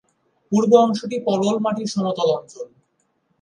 পূর্ব অংশটি পলল মাটির সমতল অঞ্চল।